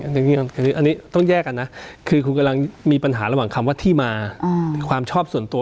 อันนี้ต้องแยกกันนะคือคุณกำลังมีปัญหาระหว่างคำว่าที่มาความชอบส่วนตัว